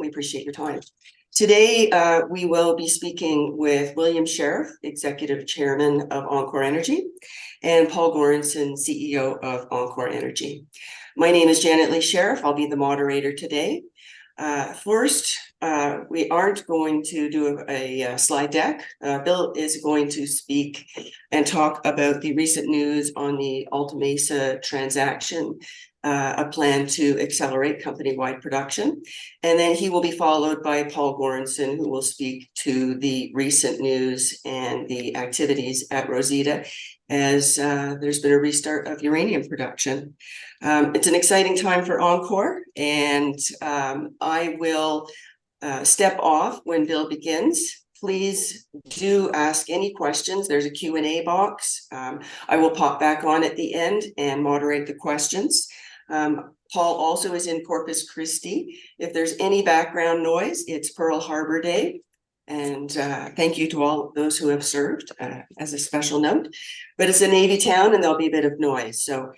We appreciate your time. Today, we will be speaking with William Sheriff, Executive Chairman of enCore Energy, and Paul Goranson, CEO of enCore Energy. My name is Janet Lee-Sheriff. I'll be the moderator today. First, we aren't going to do a slide deck. Bill is going to speak and talk about the recent news on the Alta Mesa transaction, a plan to accelerate company-wide production. And then he will be followed by Paul Goranson, who will speak to the recent news and the activities at Rosita, as there's been a restart of uranium production. It's an exciting time for enCore, and I will step off when Bill begins. Please do ask any questions. There's a Q&A box. I will pop back on at the end and moderate the questions. Paul also is in Corpus Christi. If there's any background noise, it's Pearl Harbor Day, and thank you to all those who have served, as a special note. But it's a Navy town, and there'll be a bit of noise. So,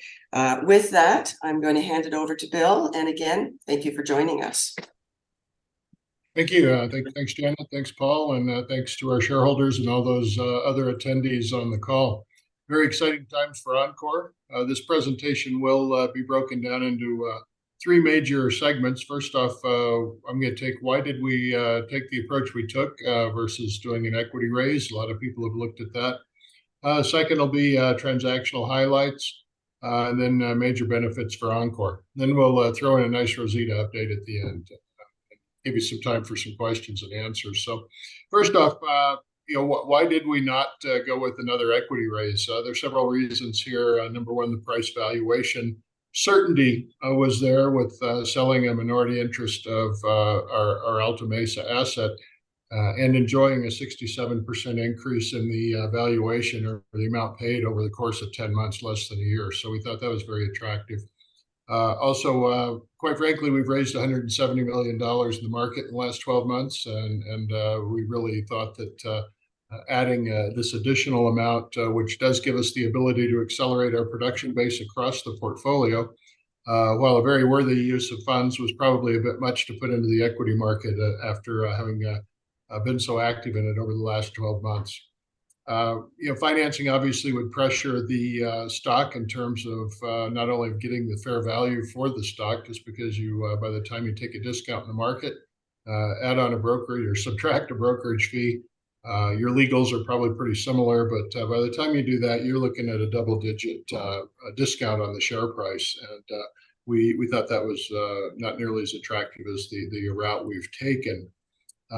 with that, I'm going to hand it over to Bill, and again, thank you for joining us. Thank you. Thanks, Janet, thanks, Paul, and thanks to our shareholders and all those other attendees on the call. Very exciting times for enCore. This presentation will be broken down into three major segments. First off, I'm going to take why did we take the approach we took versus doing an equity raise? A lot of people have looked at that. Second will be transactional highlights, and then major benefits for enCore. Then we'll throw in a nice Rosita update at the end, and give you some time for some questions and answers. So first off, you know, why did we not go with another equity raise? There's several reasons here. Number 1, the price valuation. Certainty was there with selling a minority interest of our Alta Mesa asset and enjoying a 67% increase in the valuation or the amount paid over the course of 10 months, less than a year. So we thought that was very attractive. Also, quite frankly, we've raised $170 million in the market in the last 12 months, and we really thought that adding this additional amount, which does give us the ability to accelerate our production base across the portfolio, while a very worthy use of funds, was probably a bit much to put into the equity market after having been so active in it over the last 12 months. You know, financing obviously would pressure the stock in terms of not only getting the fair value for the stock, just because you by the time you take a discount in the market, add on a broker or subtract a brokerage fee, your legals are probably pretty similar, but by the time you do that, you're looking at a double-digit discount on the share price. We thought that was not nearly as attractive as the route we've taken.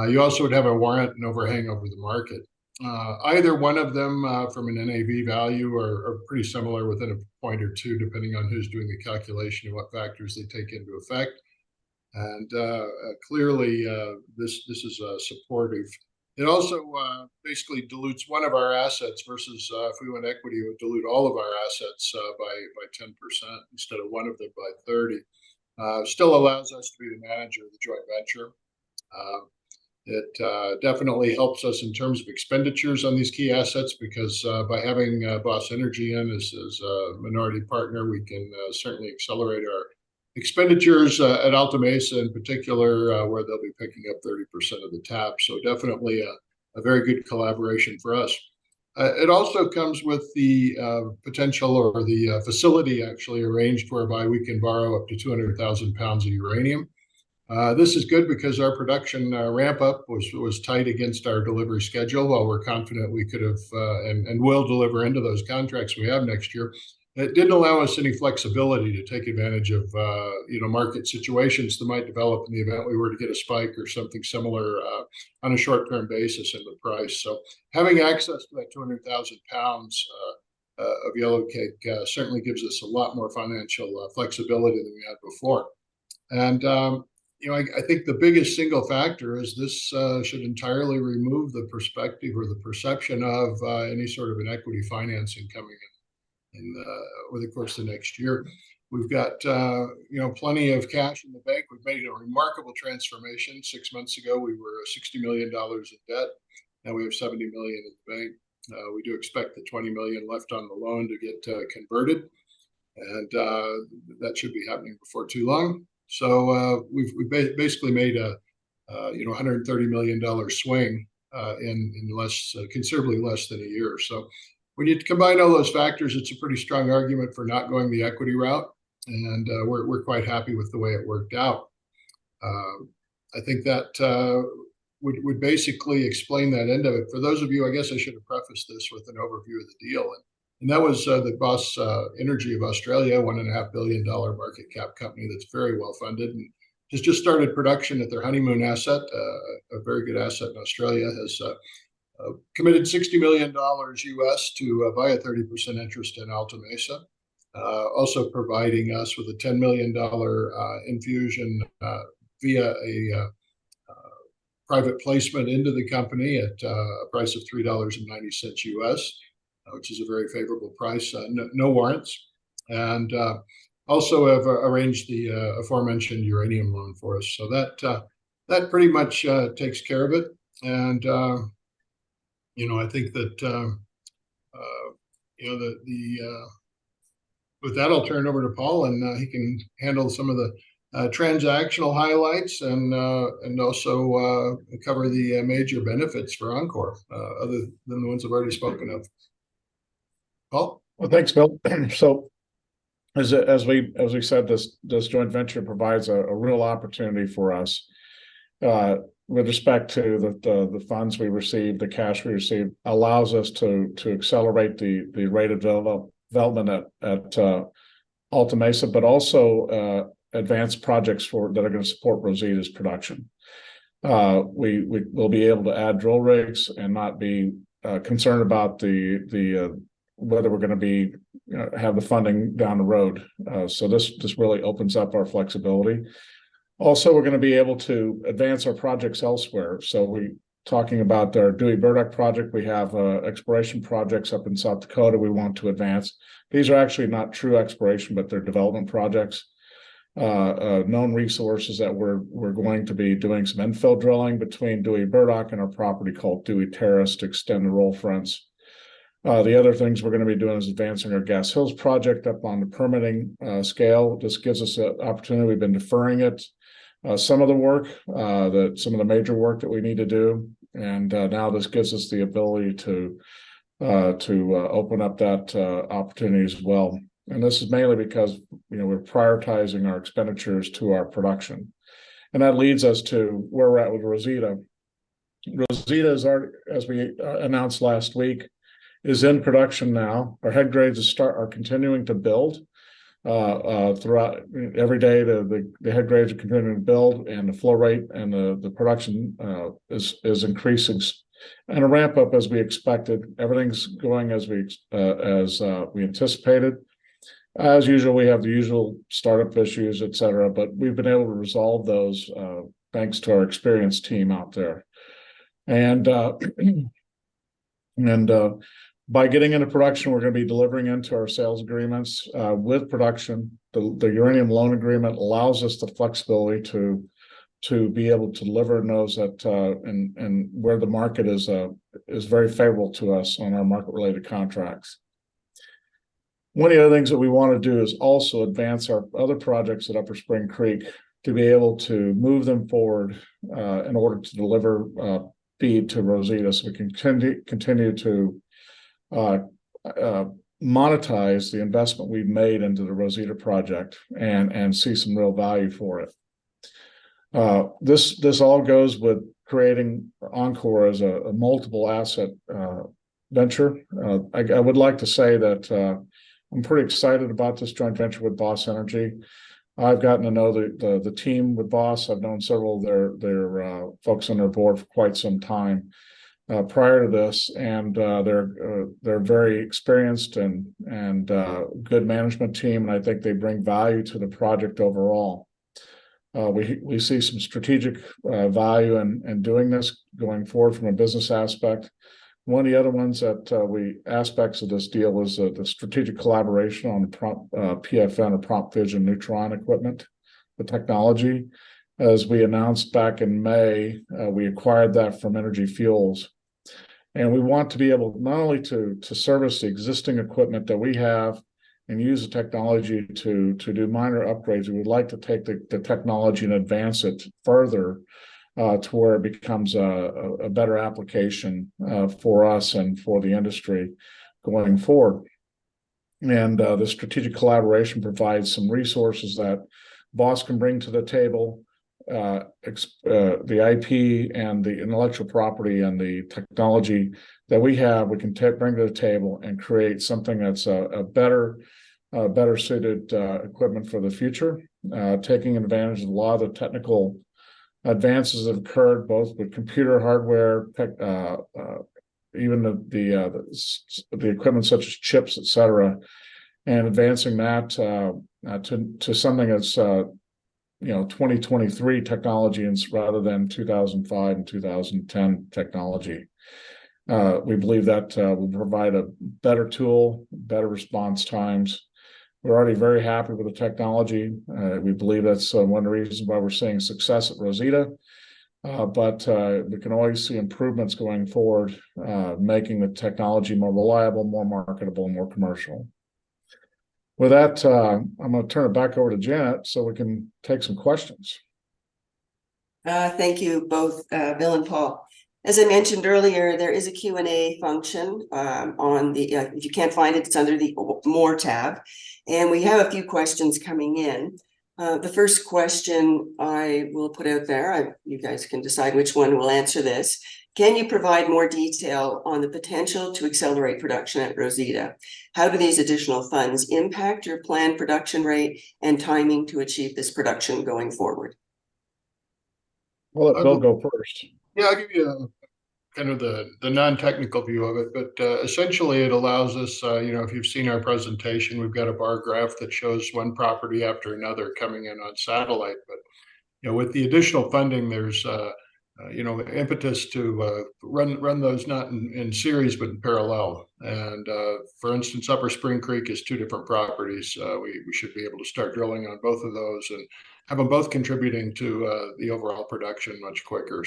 You also would have a warrant and overhang over the market. Either one of them from an NAV value are pretty similar within a point or two, depending on who's doing the calculation and what factors they take into effect. Clearly, this is supportive. It also basically dilutes one of our assets versus if we went equity. It would dilute all of our assets by 10% instead of one of them by 30%. It still allows us to be the manager of the joint venture. It definitely helps us in terms of expenditures on these key assets because by having Boss Energy in as a minority partner, we can certainly accelerate our expenditures at Alta Mesa in particular, where they'll be picking up 30% of the cap. So definitely a very good collaboration for us. It also comes with the potential or the facility actually arranged, whereby we can borrow up to 200,000 pounds of uranium. This is good because our production ramp-up was tight against our delivery schedule. While we're confident we could have and will deliver into those contracts we have next year, it didn't allow us any flexibility to take advantage of, you know, market situations that might develop in the event we were to get a spike or something similar, on a short-term basis in the price. So having access to that 200,000 pounds of yellowcake certainly gives us a lot more financial flexibility than we had before. And, you know, I think the biggest single factor is this should entirely remove the perspective or the perception of any sort of an equity financing coming in, in, over the course of the next year. We've got, you know, plenty of cash in the bank. We've made a remarkable transformation. Six months ago, we were $60 million in debt, now we have $70 million in the bank. We do expect the $20 million left on the loan to get converted, and that should be happening before too long. So, we've basically made a, you know, $130 million swing in considerably less than a year. So when you combine all those factors, it's a pretty strong argument for not going the equity route, and we're quite happy with the way it worked out. I think that would basically explain that end of it. For those of you, I guess I should have prefaced this with an overview of the deal, and that was, the Boss Energy of Australia, $1.5 billion market cap company that's very well-funded and has just started production at their Honeymoon asset, a very good asset in Australia, has, committed $60 million to buy a 30% interest in Alta Mesa. Also providing us with a $10 million infusion via a private placement into the company at a price of $3.90, which is a very favorable price. No, no warrants. And, also have arranged the aforementioned uranium loan for us. So that, that pretty much takes care of it. And, you know, I think that... You know, with that, I'll turn it over to Paul, and he can handle some of the transactional highlights and also cover the major benefits for enCore, other than the ones I've already spoken of. Paul? Well, thanks, Bill. So as we said, this joint venture provides a real opportunity for us with respect to the funds we received. The cash we received allows us to accelerate the rate of development at Alta Mesa, but also advance projects that are gonna support Rosita's production. We'll be able to add drill rigs and not be concerned about whether we're gonna have the funding down the road. So this really opens up our flexibility. Also, we're gonna be able to advance our projects elsewhere. So we're talking about our Dewey Burdock project. We have exploration projects up in South Dakota we want to advance. These are actually not true exploration, but they're development projects. Known resources that we're going to be doing some infill drilling between Dewey Burdock and our property called Dewey Terrace to extend the roll fronts. The other things we're gonna be doing is advancing our Gas Hills project up on the permitting scale. This gives us an opportunity. We've been deferring it, some of the work, some of the major work that we need to do, and now this gives us the ability to open up that opportunity as well. And this is mainly because, you know, we're prioritizing our expenditures to our production. And that leads us to where we're at with Rosita. Rosita, as we announced last week, is in production now. Our head grades are continuing to build. Throughout, every day, the head grades are continuing to build, and the flow rate and the production is increasing. A ramp up as we expected. Everything's going as we anticipated. As usual, we have the usual startup issues, et cetera, but we've been able to resolve those, thanks to our experienced team out there. By getting into production, we're gonna be delivering into our sales agreements. With production, the uranium loan agreement allows us the flexibility to be able to deliver those at... and where the market is very favorable to us on our market-related contracts. One of the other things that we want to do is also advance our other projects at Upper Spring Creek to be able to move them forward in order to deliver feed to Rosita so we can continue to monetize the investment we've made into the Rosita project and see some real value for it. This all goes with creating enCore as a multiple asset venture. I would like to say that I'm pretty excited about this joint venture with Boss Energy. I've gotten to know the team with Boss. I've known several of their folks on their board for quite some time prior to this, and they're very experienced and good management team, and I think they bring value to the project overall. We see some strategic value in doing this going forward from a business aspect. One of the other aspects of this deal is the strategic collaboration on the PFN or Prompt Fission Neutron equipment. The technology, as we announced back in May, we acquired that from Energy Fuels, and we want to be able not only to service the existing equipment that we have and use the technology to do minor upgrades, we would like to take the technology and advance it further to where it becomes a better application for us and for the industry going forward. And the strategic collaboration provides some resources that Boss can bring to the table. The IP and the intellectual property and the technology that we have, we can bring to the table and create something that's a better-suited equipment for the future. Taking advantage of a lot of the technical advances that have occurred, both with computer hardware, even the equipment such as chips, et cetera, and advancing that to something that's, you know, 2023 technology rather than 2005 and 2010 technology. We believe that will provide a better tool, better response times. We're already very happy with the technology. We believe that's one of the reasons why we're seeing success at Rosita. But we can always see improvements going forward, making the technology more reliable, more marketable, and more commercial. With that, I'm gonna turn it back over to Janet so we can take some questions. Thank you both, Bill and Paul. As I mentioned earlier, there is a Q&A function on the. If you can't find it, it's under the More tab, and we have a few questions coming in. The first question I will put out there, you guys can decide which one will answer this: "Can you provide more detail on the potential to accelerate production at Rosita? How do these additional funds impact your planned production rate and timing to achieve this production going forward? Well, I'll go first. Yeah, I'll give you kind of the non-technical view of it, but essentially, it allows us. You know, if you've seen our presentation, we've got a bar graph that shows one property after another coming in on satellite, but. You know, with the additional funding, there's you know, impetus to run those not in series but in parallel. And for instance, Upper Spring Creek is two different properties. We should be able to start drilling on both of those and have them both contributing to the overall production much quicker.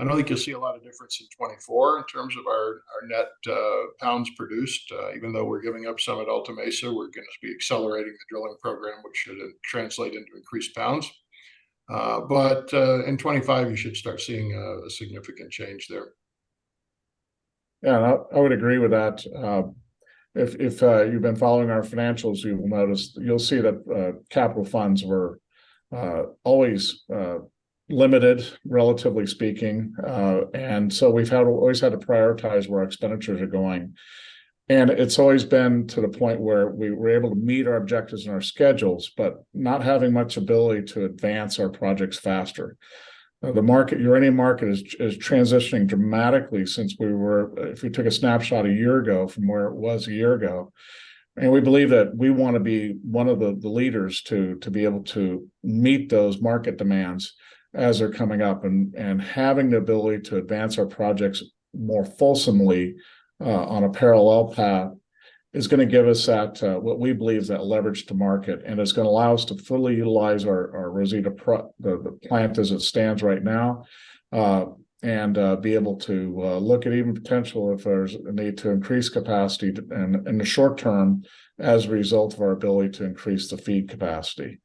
So I don't think you'll see a lot of difference in 2024 in terms of our net pounds produced. Even though we're giving up some at Alta Mesa, we're gonna be accelerating the drilling program, which should translate into increased pounds. But in 2025, you should start seeing a significant change there. Yeah, I would agree with that. If you've been following our financials, you will notice... You'll see that capital funds were always limited, relatively speaking. And so we've always had to prioritize where our expenditures are going. And it's always been to the point where we were able to meet our objectives and our schedules, but not having much ability to advance our projects faster. The uranium market is transitioning dramatically since, if we took a snapshot a year ago from where it was a year ago. And we believe that we want to be one of the leaders to be able to meet those market demands as they're coming up. Having the ability to advance our projects more fulsomely on a parallel path is gonna give us that, what we believe is that leverage to market, and it's gonna allow us to fully utilize our Rosita plant as it stands right now. And be able to look at even potential if there's a need to increase capacity in the short term, as a result of our ability to increase the feed capacity.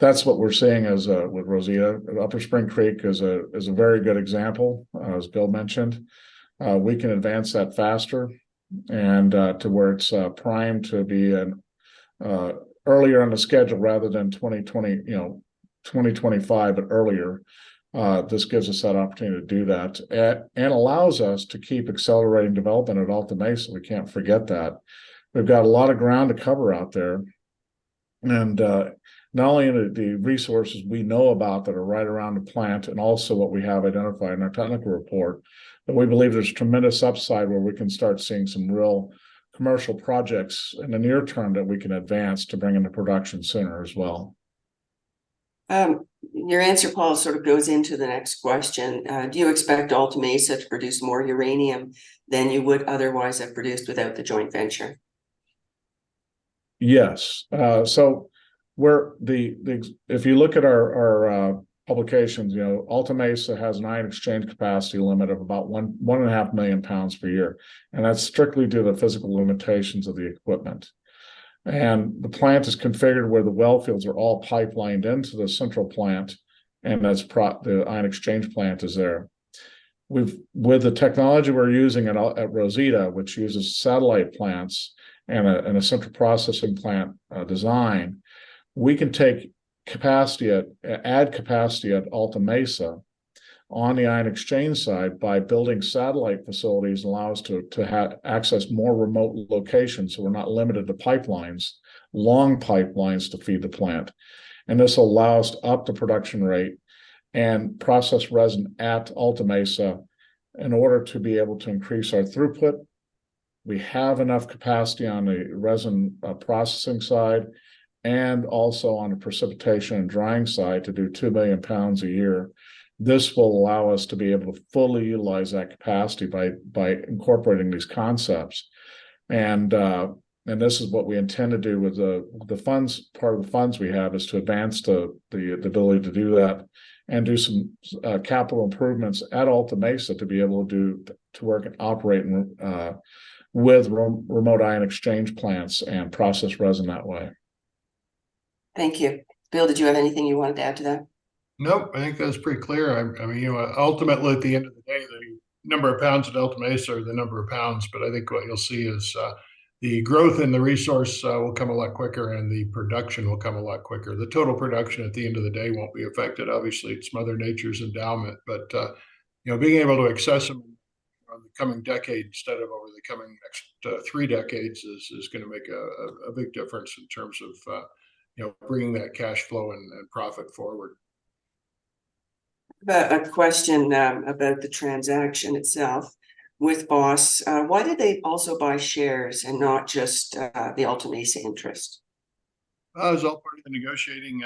That's what we're seeing as with Rosita, and Upper Spring Creek is a very good example, as Bill mentioned. We can advance that faster and to where it's primed to be in earlier on the schedule rather than 2020, you know, 2025, but earlier. This gives us that opportunity to do that, and allows us to keep accelerating development at Alta Mesa. We can't forget that. We've got a lot of ground to cover out there. And, not only the resources we know about that are right around the plant and also what we have identified in our technical report, but we believe there's tremendous upside where we can start seeing some real commercial projects in the near term that we can advance to bring into production sooner as well. Your answer, Paul, sort of goes into the next question. Do you expect Alta Mesa to produce more uranium than you would otherwise have produced without the joint venture? Yes. So where the... If you look at our publications, you know, Alta Mesa has an ion exchange capacity limit of about 1.5 million pounds per year, and that's strictly due to the physical limitations of the equipment. The plant is configured where the well fields are all pipelined into the central plant, and that's the ion exchange plant is there. With the technology we're using at Rosita, which uses satellite plants and a central processing plant design, we can add capacity at Alta Mesa on the ion exchange side by building satellite facilities that allow us to have access more remote locations, so we're not limited to pipelines, long pipelines to feed the plant. This allows up the production rate and process resin at Alta Mesa in order to be able to increase our throughput. We have enough capacity on the resin processing side, and also on the precipitation and drying side to do 2 million pounds a year. This will allow us to be able to fully utilize that capacity by incorporating these concepts. And this is what we intend to do with the funds. Part of the funds we have is to advance the ability to do that and do some capital improvements at Alta Mesa to be able to do... to work and operate in with remote ion exchange plants and process resin that way. Thank you. Bill, did you have anything you wanted to add to that? Nope, I think that's pretty clear. I mean, you know, ultimately, at the end of the day, the number of pounds at Alta Mesa are the number of pounds, but I think what you'll see is the growth in the resource will come a lot quicker, and the production will come a lot quicker. The total production at the end of the day won't be affected. Obviously, it's Mother Nature's endowment. But you know, being able to access them over the coming decade instead of over the coming next three decades is gonna make a big difference in terms of you know, bringing that cash flow and profit forward. A question about the transaction itself with Boss. Why did they also buy shares and not just the Alta Mesa interest? It was all part of the negotiating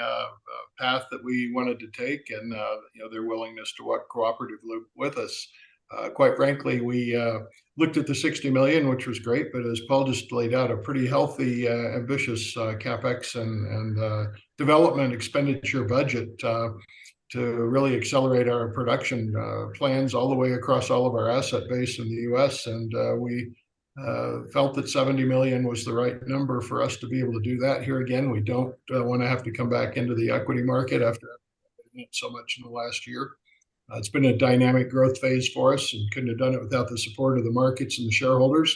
path that we wanted to take and, you know, their willingness to work cooperatively with us. Quite frankly, we looked at the $60 million, which was great, but as Paul just laid out, a pretty healthy ambitious CapEx and development expenditure budget to really accelerate our production plans all the way across all of our asset base in the U.S. And we felt that $70 million was the right number for us to be able to do that. Here again, we don't wanna have to come back into the equity market after so much in the last year. It's been a dynamic growth phase for us, and couldn't have done it without the support of the markets and the shareholders.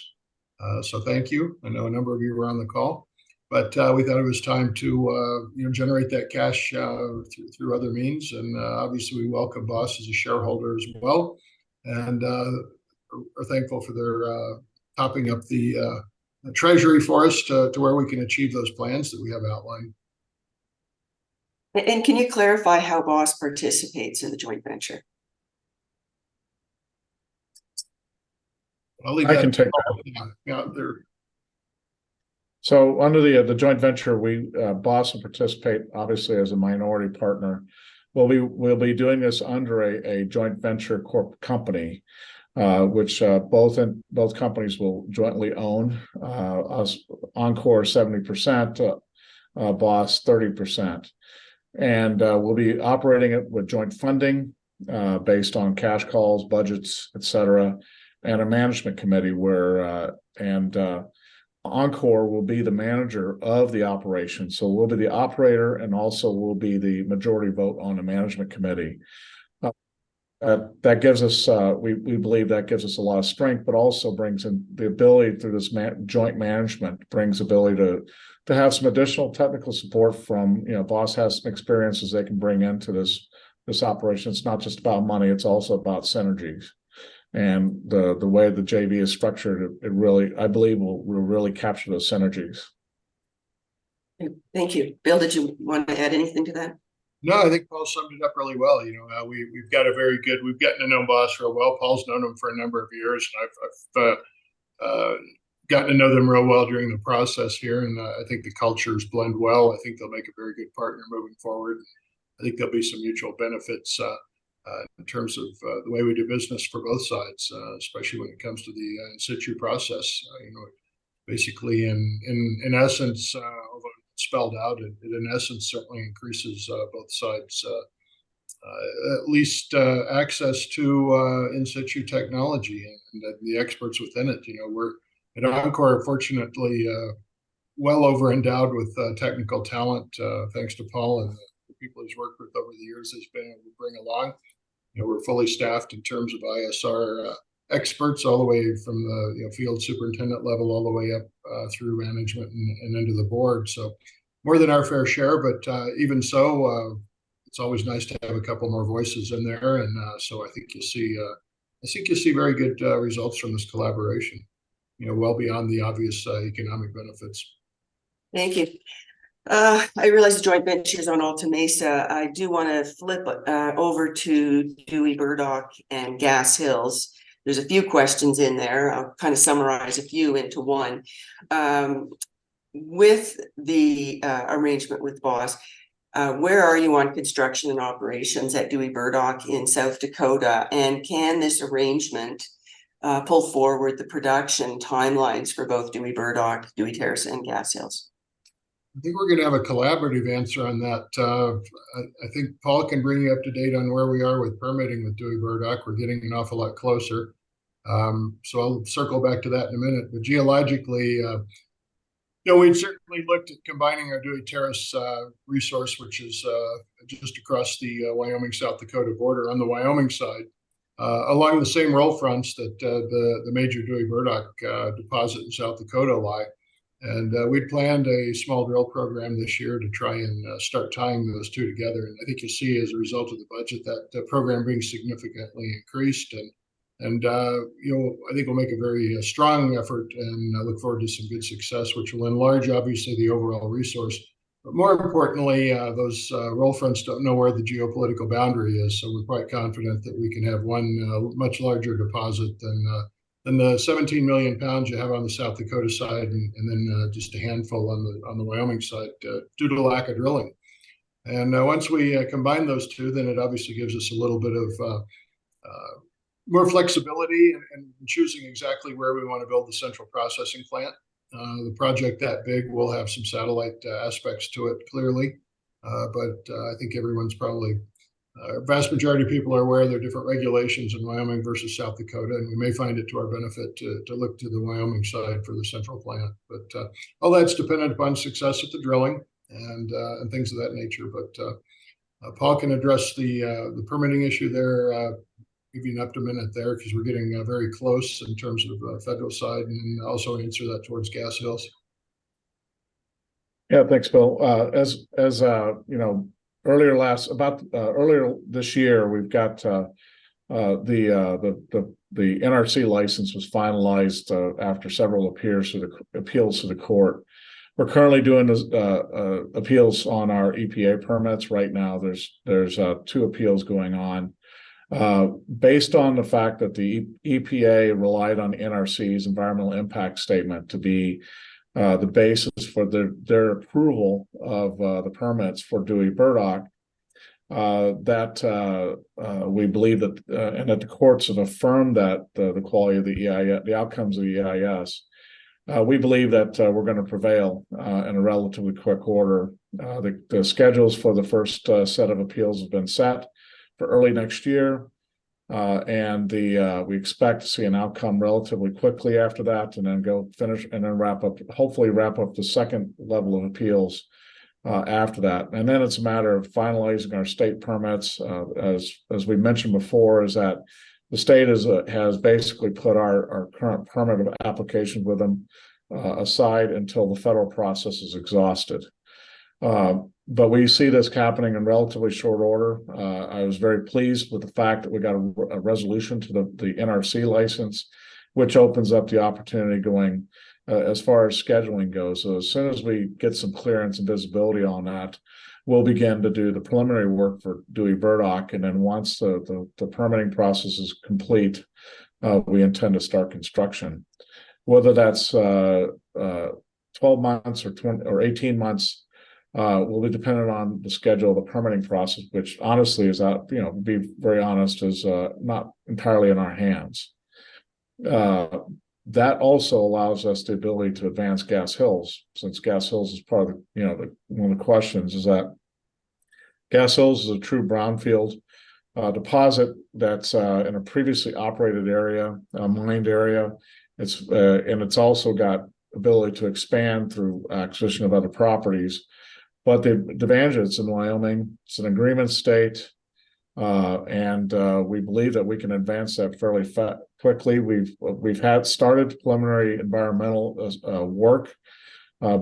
So thank you. I know a number of you were on the call. But we thought it was time to, you know, generate that cash through other means. And obviously, we welcome Boss as a shareholder as well and are thankful for their topping up the treasury for us to where we can achieve those plans that we have outlined. Can you clarify how Boss participates in the joint venture? I can take that one. So under the joint venture, we Boss will participate obviously as a minority partner. Well, we will be doing this under a joint venture corp company, which both companies will jointly own, enCore 70%, Boss 30%. And we'll be operating it with joint funding based on cash calls, budgets, et cetera, and a management committee where enCore will be the manager of the operation. So we'll be the operator, and also we'll be the majority vote on the management committee. That gives us, we believe that gives us a lot of strength, but also brings in the ability through this joint management, brings ability to have some additional technical support from, you know, Boss has some experiences they can bring into this operation. It's not just about money, it's also about synergies. And the way the JV is structured, it really, I believe, will really capture those synergies. Thank you. Bill, did you want to add anything to that? No, I think Paul summed it up really well. You know, we've gotten to know Boss real well. Paul's known them for a number of years, and I've gotten to know them real well during the process here, and I think the cultures blend well. I think they'll make a very good partner moving forward. I think there'll be some mutual benefits in terms of the way we do business for both sides, especially when it comes to the in situ process. You know, basically, in essence, although it's spelled out, it in essence certainly increases both sides at least access to in situ technology and the experts within it. You know, we're at enCore, fortunately, well over-endowed with technical talent, thanks to Paul and the people he's worked with over the years has been able to bring a lot. You know, we're fully staffed in terms of ISR experts, all the way from the field superintendent level, all the way up through management and into the board. So more than our fair share, but even so, it's always nice to have a couple more voices in there. And so I think you'll see, I think you'll see very good results from this collaboration, you know, well beyond the obvious economic benefits. Thank you. I realize the joint ventures on Alta Mesa. I do wanna flip over to Dewey Burdock and Gas Hills. There's a few questions in there. I'll kind of summarize a few into one. With the arrangement with Boss, where are you on construction and operations at Dewey Burdock in South Dakota? And can this arrangement pull forward the production timelines for both Dewey Burdock, Dewey Terrace, and Gas Hills? I think we're gonna have a collaborative answer on that. I think Paul can bring you up to date on where we are with permitting with Dewey Burdock. We're getting an awful lot closer. So I'll circle back to that in a minute. But geologically... Yeah, we've certainly looked at combining our Dewey Terrace resource, which is just across the Wyoming-South Dakota border on the Wyoming side. Along the same roll fronts that the major Dewey Burdock deposit in South Dakota lie. And we planned a small drill program this year to try and start tying those two together. And I think you see as a result of the budget, that the program being significantly increased. And, you know, I think we'll make a very strong effort, and I look forward to some good success, which will enlarge, obviously, the overall resource. But more importantly, those roll fronts don't know where the geopolitical boundary is, so we're quite confident that we can have one much larger deposit than the 17 million pounds you have on the South Dakota side, and then just a handful on the Wyoming side due to the lack of drilling. And once we combine those two, then it obviously gives us a little bit of more flexibility in choosing exactly where we want to build the central processing plant. The project that big will have some satellite aspects to it, clearly. But I think everyone's probably vast majority of people are aware of the different regulations in Wyoming versus South Dakota, and we may find it to our benefit to look to the Wyoming side for the central plant. But all that's dependent upon success of the drilling and things of that nature. But Paul can address the permitting issue there, maybe in up to a minute there, 'cause we're getting very close in terms of the federal side, and also answer that towards Gas Hills. Yeah, thanks, Bill. As you know, earlier this year, we've got the NRC license was finalized, after several appeals to the court. We're currently doing these appeals on our EPA permits right now. There's two appeals going on. Based on the fact that the EPA relied on NRC's environmental impact statement to be the basis for their approval of the permits for Dewey Burdock, that we believe that, and that the courts have affirmed the quality of the outcomes of the EIS. We believe that we're gonna prevail in a relatively quick order. The schedules for the first set of appeals have been set for early next year, and we expect to see an outcome relatively quickly after that, and then go finish and then wrap up, hopefully wrap up the second level of appeals after that. And then it's a matter of finalizing our state permits. As we mentioned before, the state has basically put our current permit application with them aside until the federal process is exhausted. But we see this happening in relatively short order. I was very pleased with the fact that we got a resolution to the NRC license, which opens up the opportunity going as far as scheduling goes. So as soon as we get some clearance and visibility on that, we'll begin to do the preliminary work for Dewey Burdock, and then once the permitting process is complete, we intend to start construction. Whether that's 12 months or 18 months will be dependent on the schedule of the permitting process, which honestly is not, you know, to be very honest, not entirely in our hands. That also allows us the ability to advance Gas Hills, since Gas Hills is part of the, you know, one of the questions is that Gas Hills is a true brownfield deposit that's in a previously operated area, a mined area. It's and it's also got ability to expand through acquisition of other properties. But the advantage, it's in Wyoming, it's an Agreement State, and we believe that we can advance that fairly quickly. We've had started preliminary environmental work, but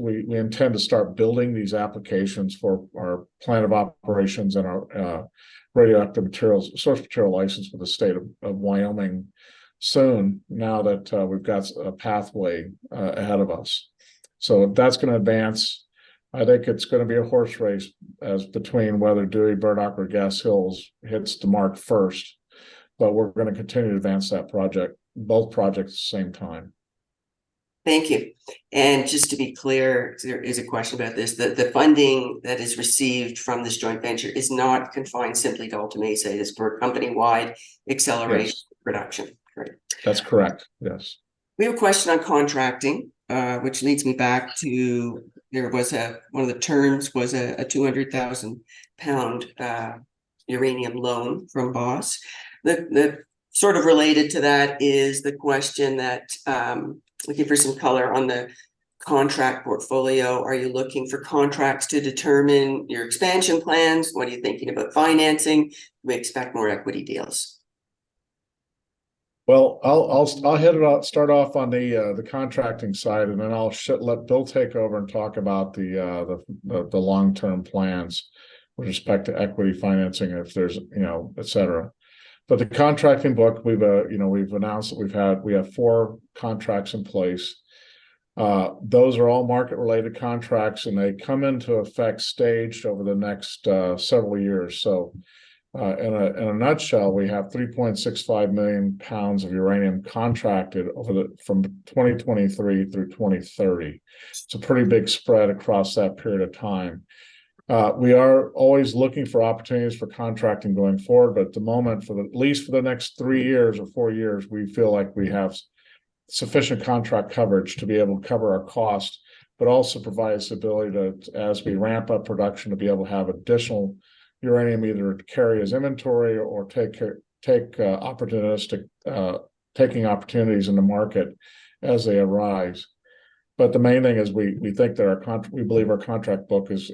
we intend to start building these applications for our Plan of Operations and our radioactive materials, source material license with the state of Wyoming soon, now that we've got a pathway ahead of us. So that's gonna advance. I think it's gonna be a horse race as between whether Dewey Burdock or Gas Hills hits the mark first, but we're gonna continue to advance that project, both projects at the same time. Thank you. And just to be clear, there is a question about this. The funding that is received from this joint venture is not confined simply to Alta Mesa. It is for company-wide acceleration- Yes... production, right? That's correct. Yes. We have a question on contracting, which leads me back to... There was one of the terms, a 200,000-pound uranium loan from Boss. Sort of related to that is the question that looking for some color on the contract portfolio, are you looking for contracts to determine your expansion plans? What are you thinking about financing? We expect more equity deals. Well, I'll hit it off, start off on the contracting side, and then I'll let Bill take over and talk about the long-term plans with respect to equity financing, if there's, you know, et cetera. But the contracting book, we've, you know, we've announced that we've had - we have four contracts in place. Those are all market-related contracts, and they come into effect staged over the next several years. So, in a nutshell, we have 3.65 million pounds of uranium contracted over from 2023 through 2030. It's a pretty big spread across that period of time. We are always looking for opportunities for contracting going forward, but at the moment, at least for the next three years or four years, we feel like we have sufficient contract coverage to be able to cover our costs, but also provide us the ability to, as we ramp up production, to be able to have additional uranium, either to carry as inventory or take opportunistic taking opportunities in the market as they arise. But the main thing is we think that we believe our contract book is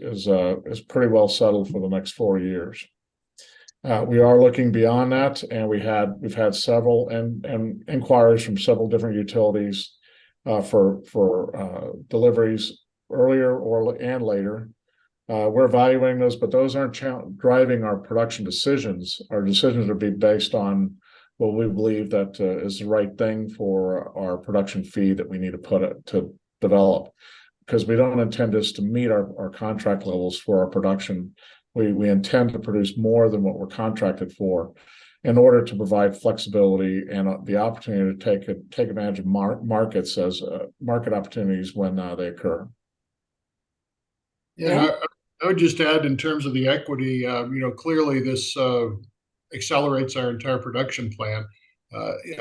pretty well settled for the next four years. We are looking beyond that, and we've had several inquiries from several different utilities for deliveries earlier or later. We're evaluating those, but those aren't driving our production decisions. Our decisions are being based on what we believe that is the right thing for our production feed that we need to put to develop. 'Cause we don't intend this to meet our, our contract levels for our production. We, we intend to produce more than what we're contracted for in order to provide flexibility and the opportunity to take a, take advantage of markets as market opportunities when they occur. Yeah, I would just add in terms of the equity, you know, clearly this accelerates our entire production plan.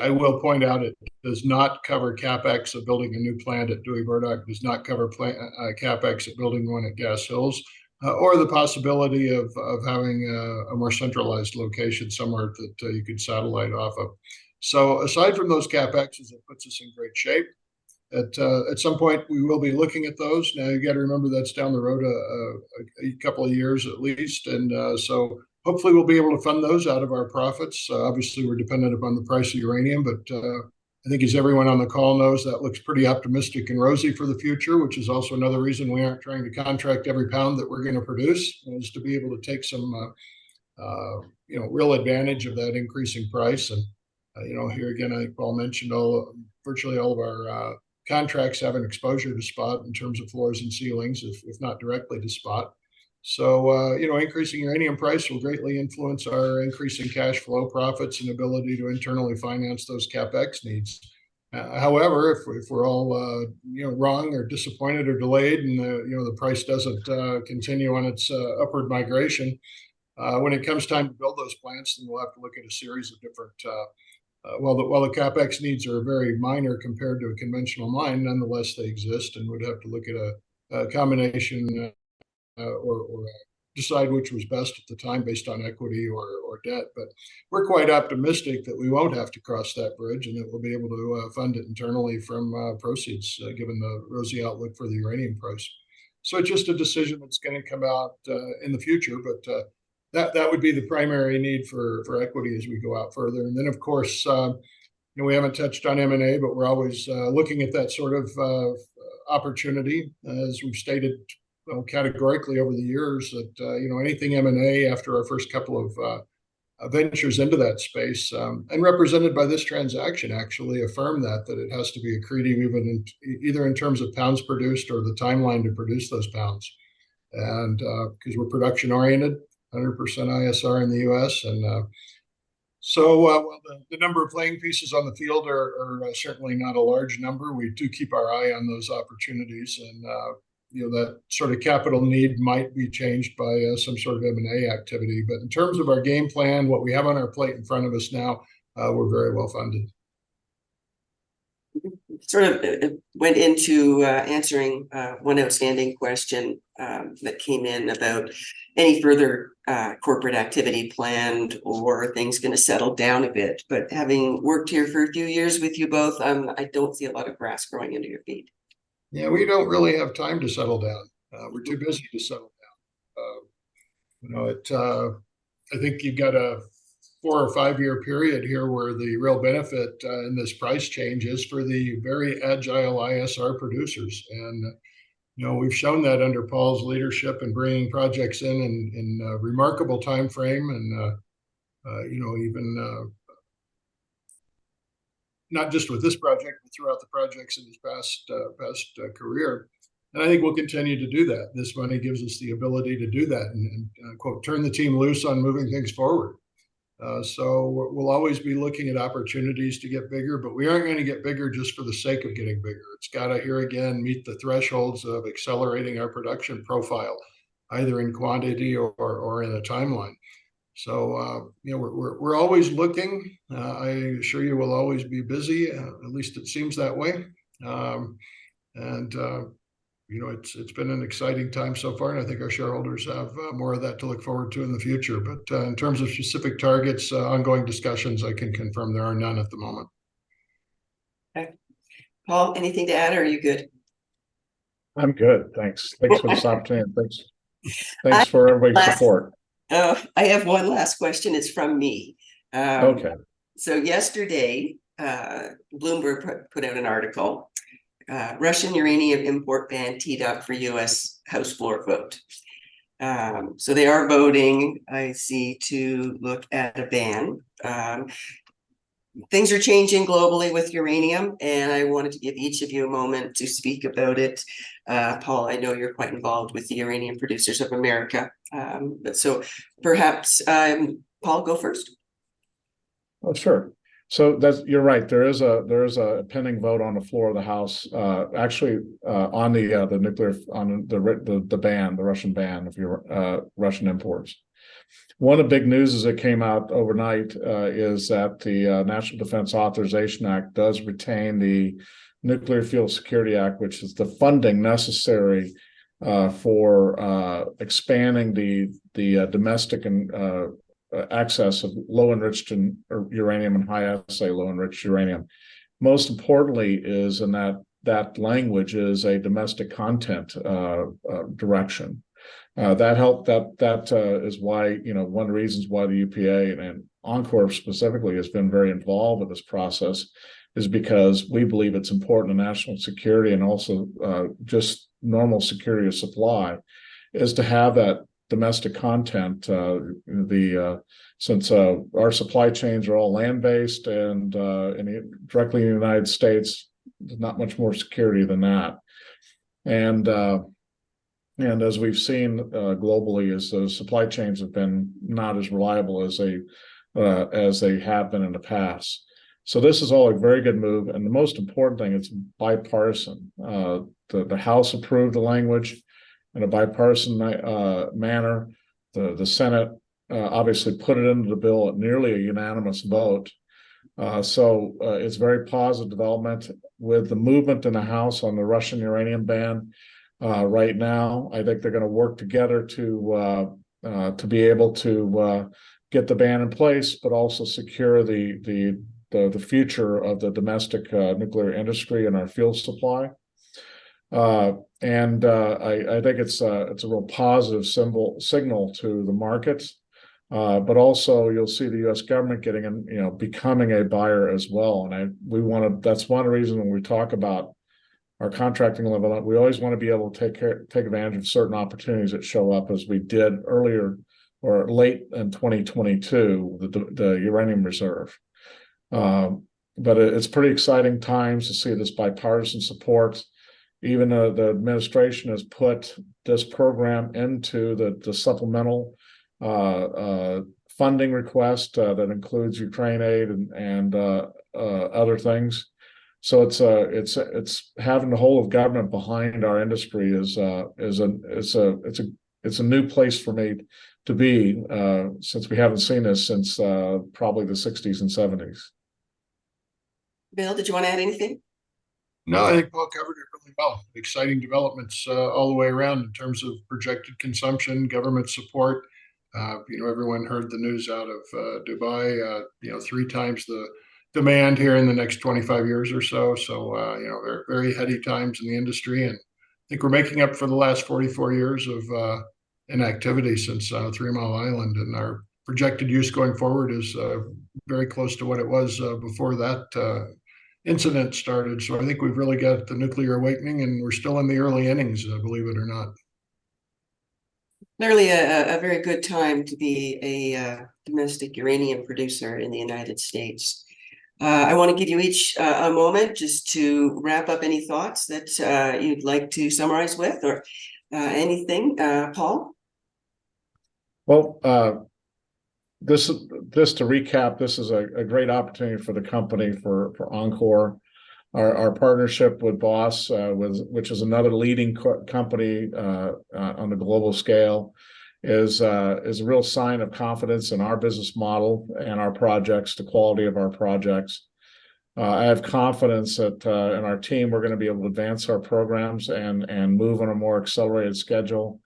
I will point out it does not cover CapEx of building a new plant at Dewey Burdock, does not cover CapEx at building one at Gas Hills, or the possibility of having a more centralized location somewhere that you could satellite off of. So aside from those CapExes, it puts us in great shape. At some point, we will be looking at those. Now, you got to remember, that's down the road, a couple of years at least. And so hopefully we'll be able to fund those out of our profits. Obviously, we're dependent upon the price of uranium, but I think as everyone on the call knows, that looks pretty optimistic and rosy for the future, which is also another reason we aren't trying to contract every pound that we're gonna produce, is to be able to take some you know, real advantage of that increasing price. And you know, here again, I think Paul mentioned all, virtually all of our contracts have an exposure to spot in terms of floors and ceilings, if, if not directly to spot. So you know, increasing uranium price will greatly influence our increase in cash flow profits and ability to internally finance those CapEx needs. However, if we're all, you know, wrong or disappointed or delayed and, you know, the price doesn't continue on its upward migration, when it comes time to build those plants, then we'll have to look at a series of different... While the CapEx needs are very minor compared to a conventional mine, nonetheless, they exist, and we'd have to look at a combination or decide which was best at the time based on equity or debt. But we're quite optimistic that we won't have to cross that bridge and that we'll be able to fund it internally from proceeds, given the rosy outlook for the uranium price. So it's just a decision that's gonna come out in the future, but that would be the primary need for equity as we go out further. And then, of course, you know, we haven't touched on M&A, but we're always looking at that sort of opportunity. As we've stated, well, categorically over the years, that you know, anything M&A after our first couple of ventures into that space and represented by this transaction, actually affirm that it has to be accretive, even in either in terms of pounds produced or the timeline to produce those pounds. And 'cause we're production-oriented, 100% ISR in the U.S. and... So, well, the number of playing pieces on the field are certainly not a large number. We do keep our eye on those opportunities, and, you know, that sort of capital need might be changed by some sort of M&A activity. But in terms of our game plan, what we have on our plate in front of us now, we're very well-funded. You sort of went into answering one outstanding question that came in about any further corporate activity planned or are things gonna settle down a bit? But having worked here for a few years with you both, I don't see a lot of grass growing under your feet. Yeah, we don't really have time to settle down. We're too busy to settle down. You know, it... I think you've got a 4- or 5-year period here where the real benefit in this price change is for the very agile ISR producers. And, you know, we've shown that under Paul's leadership in bringing projects in in a remarkable timeframe and, you know, even not just with this project, but throughout the projects in his past career, and I think we'll continue to do that. This money gives us the ability to do that and, quote, "Turn the team loose on moving things forward." So we'll always be looking at opportunities to get bigger, but we aren't gonna get bigger just for the sake of getting bigger. It's got to, here again, meet the thresholds of accelerating our production profile, either in quantity or in a timeline. So, you know, we're always looking. I assure you we'll always be busy, at least it seems that way. And, you know, it's been an exciting time so far, and I think our shareholders have more of that to look forward to in the future. But, in terms of specific targets, ongoing discussions, I can confirm there are none at the moment. Okay. Paul, anything to add, or are you good? I'm good, thanks. Thanks for the soft hand. Thanks. Last- Thanks for everybody's support. Oh, I have one last question. It's from me. Okay. So yesterday, Bloomberg put out an article, "Russian Uranium Import Ban Teed Up for U.S. House Floor Vote." So they are voting, I see, to look at a ban. Things are changing globally with uranium, and I wanted to give each of you a moment to speak about it. Paul, I know you're quite involved with the Uranium Producers of America. But so perhaps, Paul, go first. Oh, sure. So that's— You're right, there is a pending vote on the floor of the House, actually, on the ban, the Russian ban on uranium imports. One of the big news as it came out overnight is that the National Defense Authorization Act does retain the Nuclear Fuel Security Act, which is the funding necessary for expanding the domestic access to low-enriched uranium and high-assay low-enriched uranium. Most importantly is, in that language is a domestic content direction. That is why, you know, one of the reasons why the UPA and enCore specifically has been very involved in this process is because we believe it's important to national security and also just normal security of supply, is to have that domestic content. Since our supply chains are all land-based and directly in the United States, there's not much more security than that. And as we've seen globally, as those supply chains have been not as reliable as they have been in the past. So this is all a very good move, and the most important thing, it's bipartisan. The House approved the language in a bipartisan manner. The Senate obviously put it into the bill at nearly a unanimous vote. So, it's a very positive development. With the movement in the House on the Russian uranium ban, right now, I think they're gonna work together to be able to get the ban in place, but also secure the future of the domestic nuclear industry and our fuel supply. And I think it's a real positive signal to the markets. But also you'll see the U.S. government getting, you know, becoming a buyer as well. And we wanna- that's one reason when we talk about our contracting level, that we always want to be able to take advantage of certain opportunities that show up as we did earlier or late in 2022, the Uranium Reserve But it's pretty exciting times to see this bipartisan support, even though the administration has put this program into the supplemental funding request that includes Ukraine aid and other things. So it's having the whole of government behind our industry is a new place for me to be, since we haven't seen this since probably the 1960s and 1970s. Bill, did you want to add anything? No, I think Paul covered it really well. Exciting developments, all the way around in terms of projected consumption, government support. You know, everyone heard the news out of Dubai, you know, three times the demand here in the next 25 years or so. So, you know, very, very heady times in the industry, and I think we're making up for the last 44 years of inactivity since Three Mile Island. And our projected use going forward is very close to what it was before that incident started. So I think we've really got the nuclear awakening, and we're still in the early innings, believe it or not. Clearly, a very good time to be a domestic uranium producer in the United States. I want to give you each a moment just to wrap up any thoughts that you'd like to summarize with or anything. Paul? Well, this is a great opportunity for the company, for enCore. Our partnership with Boss, which is another leading company on the global scale, is a real sign of confidence in our business model and our projects, the quality of our projects. I have confidence that in our team, we're gonna be able to advance our programs and move on a more accelerated schedule.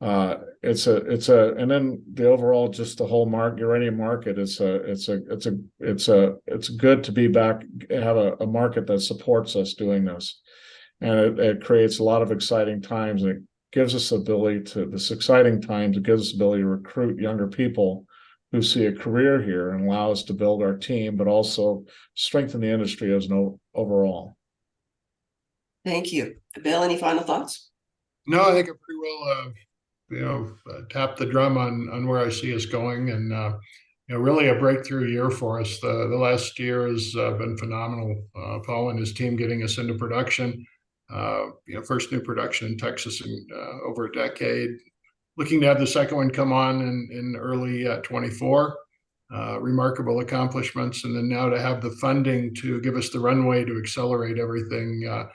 It's and then the overall, just the whole uranium market. It's good to be back and have a market that supports us doing this, and it creates a lot of exciting times, and it gives us the ability to... This exciting time, it gives us the ability to recruit younger people who see a career here and allow us to build our team, but also strengthen the industry as an overall. Thank you. Bill, any final thoughts? No, I think I pretty well have, you know, tapped the drum on, on where I see us going and, you know, really a breakthrough year for us. The last year has been phenomenal. Paul and his team getting us into production, you know, first new production in Texas in, over a decade. Looking to have the second one come on in, in early 2024. Remarkable accomplishments, and then now to have the funding to give us the runway to accelerate everything,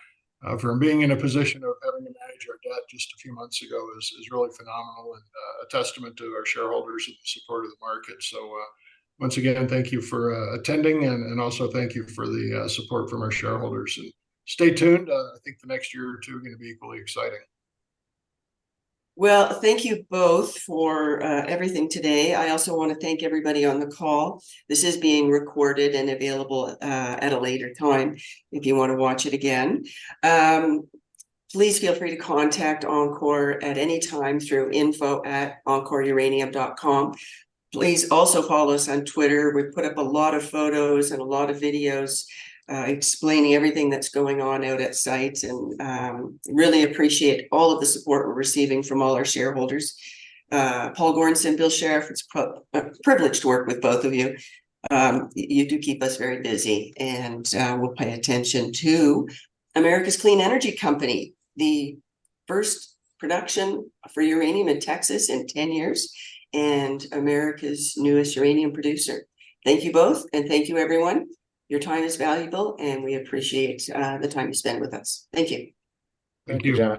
from being in a position of having to manage our debt just a few months ago is, really phenomenal and, a testament to our shareholders and the support of the market. So, once again, thank you for, attending, and, also thank you for the, support from our shareholders. And stay tuned I think the next year or two are gonna be equally exciting. Well, thank you both for everything today. I also want to thank everybody on the call. This is being recorded and available at a later time if you want to watch it again. Please feel free to contact enCore at any time through info@encoreuranium.com. Please also follow us on Twitter. We put up a lot of photos and a lot of videos explaining everything that's going on out at sites, and really appreciate all of the support we're receiving from all our shareholders. Paul Goranson, Bill Sheriff, it's a privilege to work with both of you. You do keep us very busy, and we'll pay attention to America's Clean Energy Company, the first production for uranium in Texas in 10 years, and America's newest uranium producer. Thank you both, and thank you everyone. Your time is valuable, and we appreciate the time you spent with us. Thank you. Thank you, Janet.